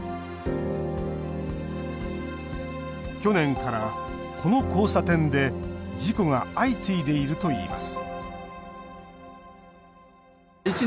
去年から、この交差点で事故が相次いでいるといいます